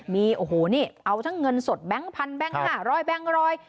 มีโอ้โหนี่เอาทั้งเงินสดแบงค์พันแบงค์๕๐๐แบงค์ร้อย